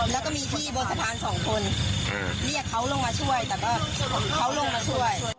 แล้วก็มีพี่บนสะพานสองคนเรียกเขาลงมาช่วยแต่ก็เขาลงมาช่วย